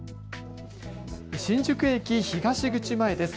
新宿駅東口前です。